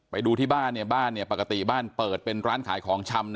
ไปดูที่บ้านปกติบ้านเปิดเป็นร้านขายของชำ